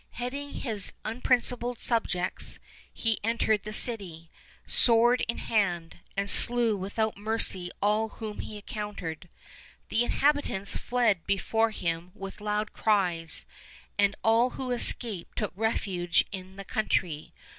Heading his unprincipled subjects, he entered the city, sword in hand, and slew without mercy all whom he encountered. The inhabitants fled before him with loud cries, and all who escaped took refuge in the country.